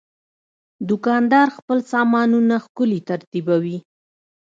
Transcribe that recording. دوکاندار خپل سامانونه ښکلي ترتیبوي.